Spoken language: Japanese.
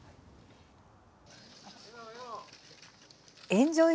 エンジョイ